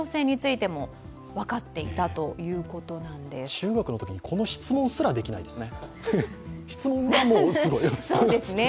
中学のときに、この質問すらできないですね。